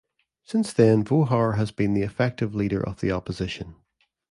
Since then Vohor has been the effective leader of the opposition.